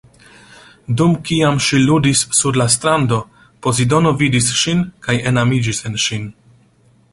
Dum kiam ŝi ludis sur la strando, Pozidono vidis ŝin, kaj enamiĝis en ŝin.